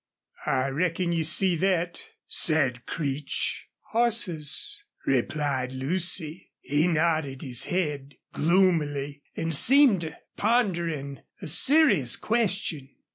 "I reckon you see thet," said Creech "Horses," replied Lucy. He nodded his head gloomily, and seemed pondering a serious question.